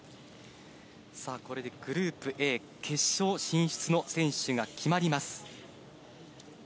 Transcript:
これでグループＡ決勝進出の選手が決まります。